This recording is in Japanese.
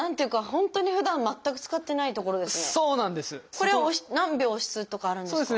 これを何秒押すとかあるんですか？